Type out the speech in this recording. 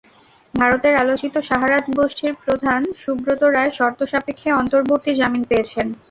ভারতের আলোচিত সাহারা গোষ্ঠীর প্রধান সুব্রত রায় শর্ত সাপেক্ষে অন্তর্বর্তী জামিন পেয়েছেন।